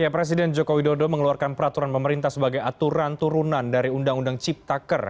presiden joko widodo mengeluarkan peraturan pemerintah sebagai aturan turunan dari undang undang ciptaker